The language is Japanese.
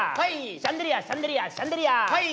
「シャンデリアシャンデリアシャンデリア」「はい！」